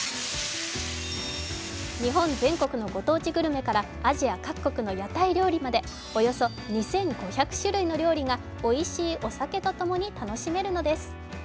日本全国のご当地グルメからアジア各国の屋台料理までおよそ２５００種類の料理がおいしいお酒と共に楽しめるのです。